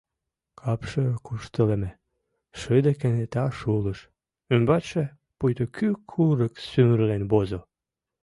Капше куштылеме, шыде кенета шулыш, ӱмбачше пуйто кӱ курык сӱмырлен возо.